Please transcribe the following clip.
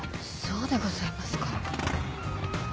そうでございますか。